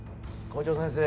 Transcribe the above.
校長先生